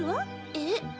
えっ？